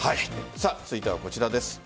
続いてはこちらです。